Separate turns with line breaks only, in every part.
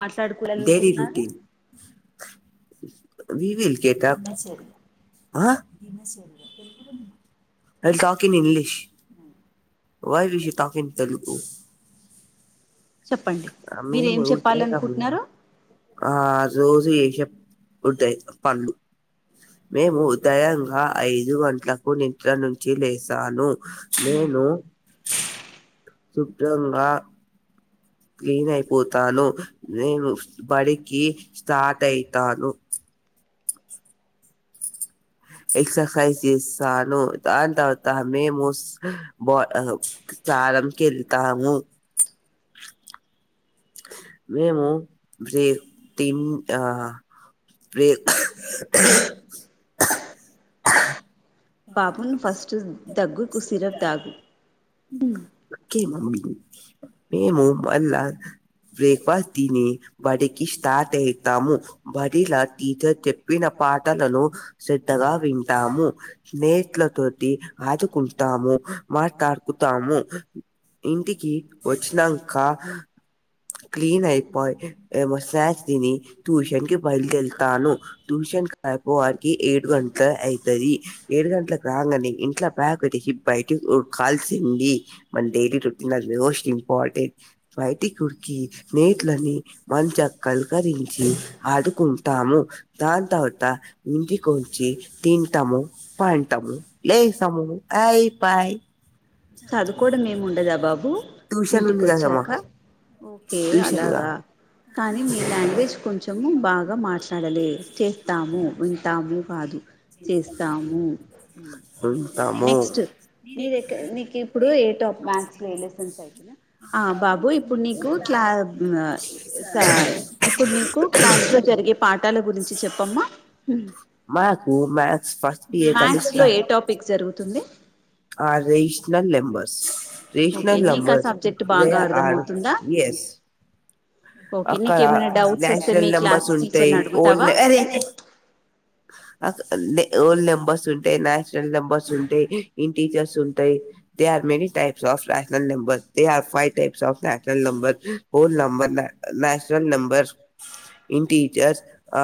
మాట్లాడుకులేల్కుట్నారు
[unintelligible] I'll talk in English why we should talk in Telugu మేము ఆ చెప్పుకుంటాయి పండ్లు మేము ఉదయంగా ఐదు వంద్ ట్లకు నిద్ర నుంచి లేసాను నేను శుభ్రంగా క్లీనైపోతాను నేను బడికి స్టార్ట్ ఐతాను ఎక్ససైజ్ ఎస్సాను దాన్తవతా మేము స్ బా అ తానం కెళ్తాము మేము బ్రేక్ తిన్ ఆ ప్రేవ్
పాపు నువ్ ఫస్ట్ దగ్గుకు సిరప్తాగు మ్మ్
మేము మల బ్రేక్ఫాస్ట్ దిని బడికి స్టార్ట్ అయితాము బడిలా టీచర్ చెప్పిన పాటలను శ్రద్ధగా వింటాము స్నేట్ల తొటి ఆడుకుంటాము ఉ మాటాడుకుటాము ఇంటికి వచ్చినంక క్లీన్ అయిపోయి ఏమ స్యాక్స్ తిని ట్యూషన్ కి బయలుదేళ్తాను ట్యూషన్ ఉల్క్ అయిపోహానికి ఏడు గంట్ల అయితది ఏడు గంట్ల గంగానే ఇంట్ల ప్యాక్ పెట్టేసి బయి ఓ కాల్సింది మన డైలీ రొటీన్ అది మోస్ట్ ఇంపార్టెంట్ బయటి గి నెట్లని మంచిగ కల్కరించి ఆడుకుంటాము దాన్ త వత ఇంటికొచ్చి తింటాము పంటాము లేసాము అయి పయి ట్యూషన్ ఉంది కదమా
ఓకే అలాగా కానీ మీ లాంగ్వేజ్ కొంచెము బాగా మాట్లాడలే చేస్తాము ఉంటాము కాదు చేస్తాము నెక్స్ట్ నీదెక్క నీకు ఇప్పుడు ఏ టాప్ మాథ్స్ లో ఎలెసన్స్ అయితున ఆ బాబు ఇప్ ఇప్పుడు నీకు క్లా మ స ఇప్పుడు నీకు క్లాస్ లో జరిగే పాఠాల గురిం చ్చి చెప్పమ్మా ఉ మ్యాథ్స్ లో ఏ టాపిక్స్ జరుగుతుంది
ఆ rational number rational numbers way are ఎస్ ఆకార నేషనల్ నెంబర్స్ ఉంటాయి ఓల్ అరేయ్ [unintelligible] ఓల్ నెంబర్స్ ఉం టయ్ న్యాచురల్ నెంబర్స్ ఉంటయ్ ఇంటిజర్స్ ఉంటయ్ they are many types of national number they are five types natural number whole number natural numbers integers ఆ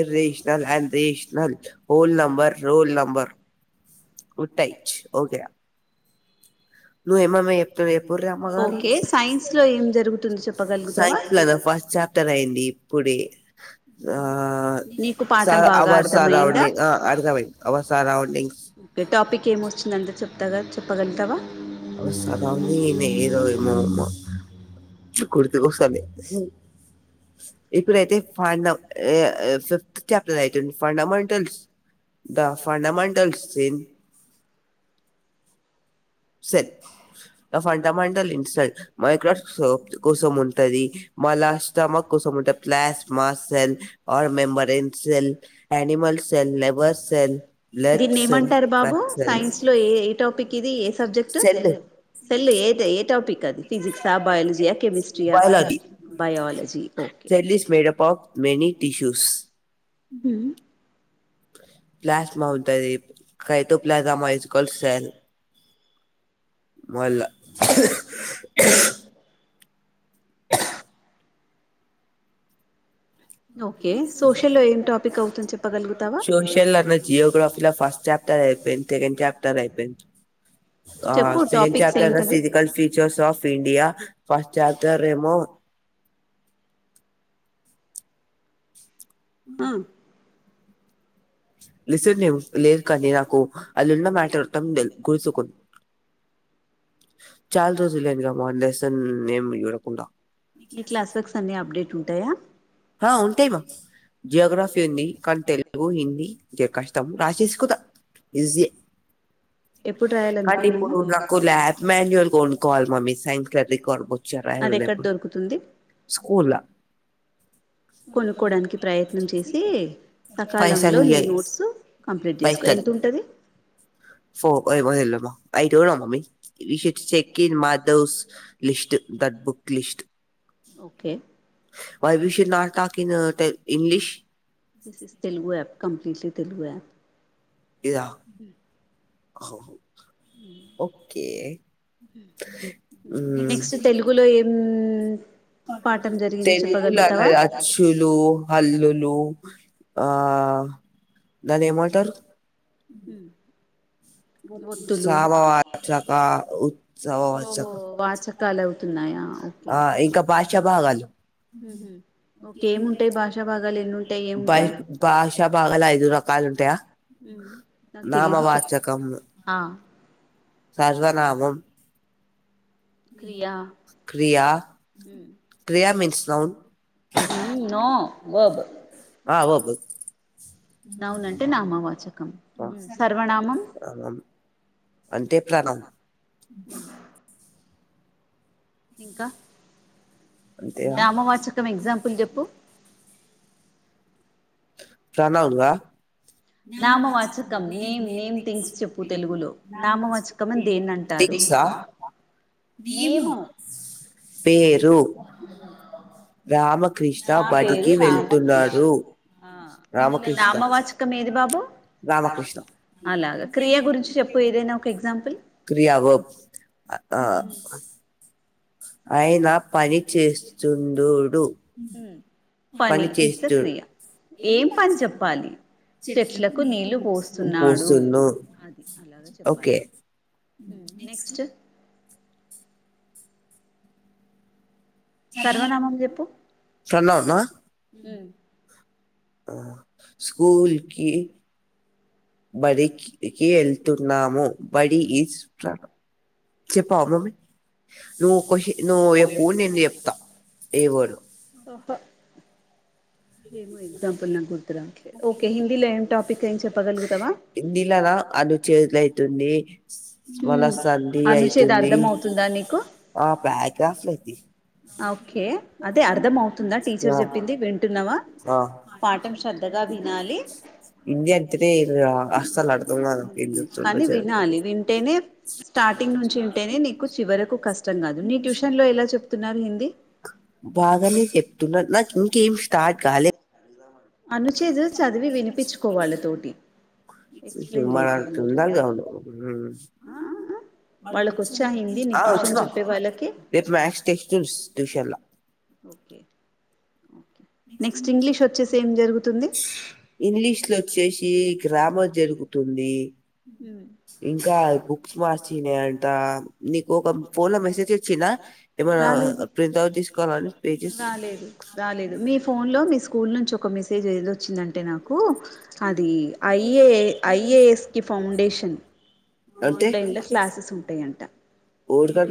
irrational and rational whole number real number ఉటాయిచ్ హోగయా ను ఏమ మ చెప్తా చేపూరి అమ్మాగారు సైన్స్ లన ఫస్ట్ చప్టర్ అయింది ఇప్పుడే ఆ సర్ అవ సర్రౌండిం ఆ అర్ధం అయి అవర్ సరౌడింగ్స్
గ టాపిక్ ఏం వచ్చిందంతే చెప్తాగా చెప్పగలుగుతావా
[unintelligible] గుర్తు కొసలే ఇప్పుడైతే ఫైన్నాం [unintelligible] [unintelligible] ఫండామమంటల్స్ ద ఫండామంటల్స్ ఇన్ సెన్ అ ఫండమండల్ ఇన్సల్ మైక్రో సోప్ కోసం ఉంటది మళ స్టమక్ కోసం ముంటే plasma cell or membrane cell animal cell nerve cell
దీన్ని ఏమంటారు బాబు సైన్స్ లో ఏ ఏ టాపిక్ ఇది ఇ ఏ సబ్జెక్ట్ సెల్ ఎడ్ ఏ టాపిక్ అది ఫిజిక్స్ ఆ బయోలజీ అ కెమిస్ట్రియ బయోలజీ బయోలజీ ఓకే
ఇ టిష్యూస్ ప్లాస్మా ఉంటది కయ్తో ప్లాసమా ఇస్ కోల్ట్ సెల్ మళ్ల సోష్యల్ అన జియోగ్రఫీలో ఫస్ట్ చాప్టర్ ఏ ఎపెన్ తెకన్ చప్టర్ అయిపెన్ ఆ second chapter physical features of India first chapter ఏమో
ఆ
లిసిన్యం లేదు కానీ నాకు అల్లున్న మ్యాటల్ [unintelligible] చాలా రోజులైందిగా లెసన్ యూరోప్ ద
ని క్లాస్ వర్క్స్ అన్ని అప్డేటుంటయా
జియోగ్రఫీ ఉంది కానీ తెలుగు హిందీ జర కష్టం రాసేస్కుత ఇజ్జే కనిప్పుడు నాకు లాబ్ మన్యూల్ కాల్ మమ్మి సైన్ రికర్డ్ బోచ్చాడు రాయలి రేపు స్కూల్లా
కొనుక్కోడానికి ప్రయత్నం చేసి సకాలంలో నీ నోట్స్ కంప్లీట్ చేసుకో తుంటది
పో మయి I don't know mummy you can చెన్ మాధస్ స్ట్ that booklist
okay this is Telugu అప్ కంప్లీట్లీ తెలుగా
ఇదా ఓ ఓకే
నెక్స్ట్ తెలుగులో ఏం
తెనుగులన అచ్చులు హల్లులు ఆ
ఉ
సవావాచ్చక ఉచ్చవ వాచక ఆ ఇంక భాషాభాగాలు
హుహు ఓకే ఏముంటాయి భాషా భాగాలేన్నుంటాయి ఏముంటాయ్ నాకు తెలిదు చెప్పు ఆ
సర్వనామం
క్రియా
క్రియా క్రియా మీన్స్ నౌన్
ఉ నో వబ్
ఆ వబ్
నౌనంటే నామవాచకం
సర్వనామం అంటే ప్రనౌన్
ఇంకా నామవాచకం ఎగ్జాంపుల్ చెప్పు నమం నామవాచకం నేమ్ నేమ్ థింగ్స్ చెప్పు. తెలుగులో నామవాచకం అని దేనంటారు. ఇంగ్లీష
నేమ్ పేరు
నా పేరు రామక్రిష్న ఆ ఇండ్ల నామవాచకం ఏది బాబు అలాగా క్రియ గురించి చెప్పు ఏదైనా ఒక ఎగ్జాంపుల్ క్రియా
ఆ అయినా పని చేస్తుండుడు పని చేస్తూ
ఏం పని చెప్పాలి చెట్లకు నీళ్లు పోస్తున్నాడు. అది అలాగా చెప్పాలి. ఉ నెక్స్ట్ సర్వనామం చెప్పు ఉ
ఆ స్కూల్కి బడికి ఏళ్తున్నాము బడి ఈజ్ ట్రా చెప్పవామ్మమ్మీ నువ్వు కొషి నువ్వు చెప్పు నేను చెప్తా ఏవరో
ప ఏమో ఎక్సంపుల్ నాకు గుర్తురావట్ లేదు. ఒకే హిందీలో లొ ఎం టాపిక్ ఎం చెప్పగలగుతావా
హిందీ లన అను చేతుల్ అయితుంది మళ సంధి అయితుంది ఆ పరాగ్రాఫలేయితాయి
ఓకే అదే అర్ధం అవుతుందా టీచర్ చెప్పింది వింటున్నావా పాఠం శ్రద్ధగా వినాలి
హిందీ అంటేనే ఆ అస్సల్ అర్ధం కాదు నాక్ ఎం చెప్తుందో
టనే స్టార్టింగ్ నుంచి ఇంటేనే నీకు చివరకు కష్టం కాదు ని ట్యూషన్ లొ ఇలా చెప్తున్నారు హిందీ
బాగానే చెప్తున్నారు నాక్ ఇంకేం స్టార్ట్ కాలే
అనుచేదు చదివి వినిపించుకొ వలతోటి
ఇప్పుడ్ మనకి ఉండాలి గా
ఆ ఆ ఆ వాళ్ళకి వచ్చా హిందీ నీకు ట్యూషన్ చెప్పేవాలకి ఓకే
ఇంగ్లిష్ లో ఒచ్చేసి గ్రామర్ జరుగుతుంది
హ్మ్
ఇంకా బుక్స్ మార్చిన్నాయి అంట నీకు ఒక ఫోన్ లో మెసేజ్ వచ్చిందా ఏమన ఆ ప్రింట్ అవుట్ తీసుకోవాలని పేజెస్
మీ ఫోన్లో మీ స్కూల్ నుంచి ఒక మెసేజ్ ఏద్ వచ్చిందంటే నాకు అది ఐఏ ఐఏ ఎస్కి ఫౌండేషన్ ఆన్లైన్ లో క్లాసెస్ ఉంటాయంట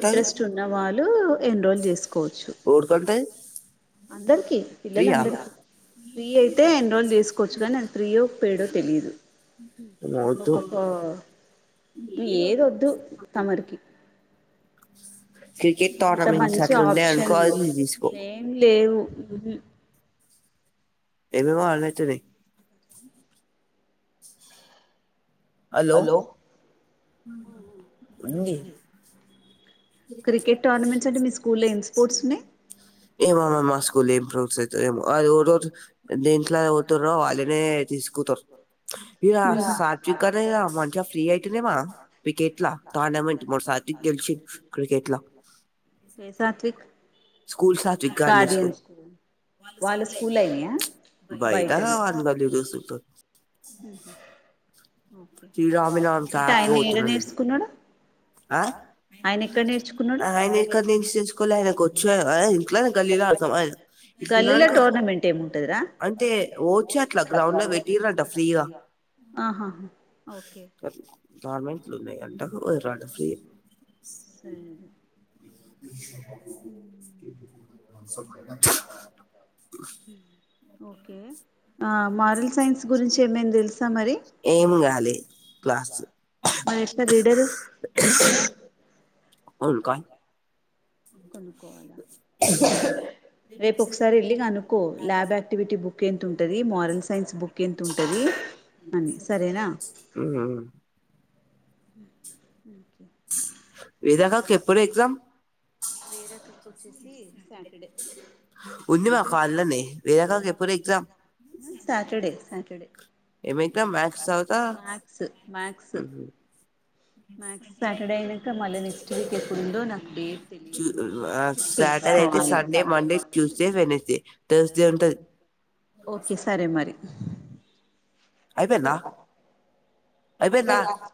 ఇంట్రెస్ట్ ఉన్న వాళ్ళు ఎన్రోల్ చేసుకొ
వొర్కుంటాయి
అందరికి పిల్లలందరికి ఫ్రీ అయితే ఎన్రోల్ చేసుకోవచ్చు గానీ ఫ్రీ ఒ పైడ్ ఒ తెలీదు ఒకొక్క ఏద్ ఒద్దు తమరికి ఇంత మంచి ఆప్షన్ ఏం లేవు ఊహ్మ్మ్
ఏవేవో ఆన్ అయితున్నాయి హలో ఉంది ఏమో అమ్మ మ స్కూల్ లొ ఎం ఏమో అది ఓరోజు దేంట్లో పోతురో వాళ్ళనే తీసుకుతార్ ఇగ సాత్వికనే మంచిగా ఫ్రీ అయితుంది మ క్రికెట్ టోర్నమెంట్ మూడ్ సల్ అతిక్ గెలిసిష్
ఎ సాత్విక్ గాడియన్ స్కూల్ వాళ్ళ స్కూల్లో ఆయా బయటనా టైం ఏడ నేర్చుకున్నాడు ఆయన ఎక్కడ నేర్చుకున్నాడు
[unintelligible]
గలీల టూర్నమెంట్ ఏం ఉంటాదిరా ఆహా హ ఓకే
టోర్నమెంట్లు ఉన్నాయి అంట ఒరంట ఫ్రీ
హ్మ్
[unintelligible]
ఓకే ఆ మారల్ సైన్స్ గురించి ఎం అయింది తెలుసా మారి
ఏం గాలే క్లాస్ ముల్క
కొనుకోవాలా రేపు ఒకసారి వెళ్లి గనుక్కో ల్యాబ్ ఆక్టివిటీ బుక్ ఎంత ఉంటది మోరల్ సైన్స్ బుక్ ఎంత ఉంటది ఉమ్ సరేనా
ఉమ్
లేదనా తప్పేంలేద వేద తప్పు చ్చేసి ఇ సాటర్డే సాటర్డే సండే
ఏమైత మ్యాక్స్ తరువాత చ్ సాటర్డే అయితే Sunday Monday Tuesday Wednesday Thursday ఉంటది.
ఓకే సరే మరి అయిపోయిందా అయిపోయిందా అన్నా